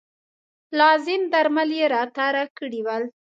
لازم درمل یې راته راکړي ول.